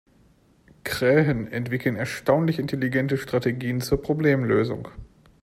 Krähen entwickeln erstaunlich intelligente Strategien zur Problemlösung.